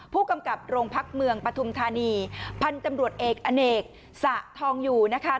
ผู้กำกับโรงพักเมืองปฐุมธานีพันธุ์ตำรวจเอกอเนกสะทองอยู่นะคะ